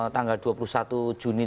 tanggal dua puluh satu juni